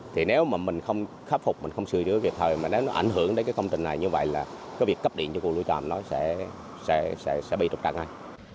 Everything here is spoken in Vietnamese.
thì nếu mà mình không khắc phục mình không sửa chữa việc thời mà nó ảnh hưởng đến công trình này như vậy là có việc cắp điện cho phù lao tràm nó sẽ bị trục trạng ngay